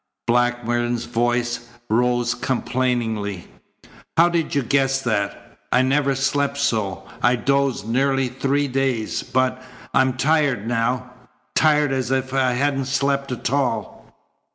Blackburn's voice rose complainingly. "How did you guess that? I never slept so. I dozed nearly three days, but I'm tired now tired as if I hadn't slept at all."